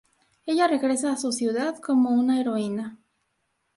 Ella regresa a su ciudad como una heroína.